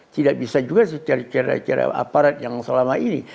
tidak bisa juga cara cara aparat yang selama ini